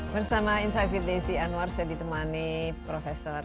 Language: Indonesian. bersama insafi desi anwar saya ditemani profesor